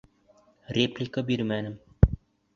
Реплика бирмәнем!